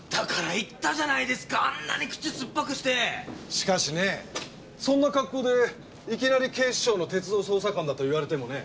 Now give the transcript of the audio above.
しかしねそんな格好でいきなり警視庁の鉄道捜査官だと言われてもね。